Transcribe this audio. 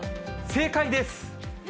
正解です。